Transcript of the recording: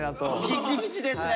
ピチピチですね。